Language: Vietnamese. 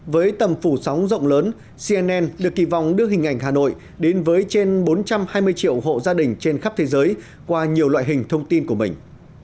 với tầm phủ sóng rộng lớn cnn được kỳ vọng đưa hình ảnh hà nội đến với trên bốn trăm hai mươi triệu hộ gia đình trên khắp thế giới qua nhiều loại hình thông tin của mình